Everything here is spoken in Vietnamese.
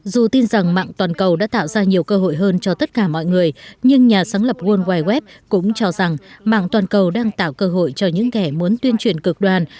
dù tin rằng mạng toàn cầu đã tạo ra nhiều cơ hội hơn cho tất cả mọi người nhưng nhà sáng lập world wide web cũng cho rằng mạng toàn cầu đang tạo cơ hội cho những kẻ muốn tuyên truyền cực đoàn